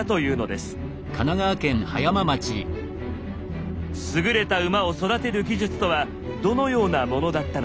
すぐれた馬を育てる技術とはどのようなものだったのか。